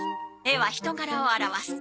絵は人柄を表す。